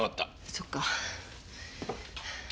そっか。